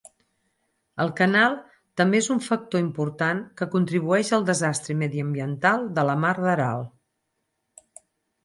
El canal també és un factor important que contribueix al desastre mediambiental de la mar d'Aral.